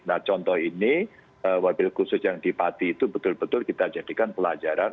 nah contoh ini wabil khusus yang di pati itu betul betul kita jadikan pelajaran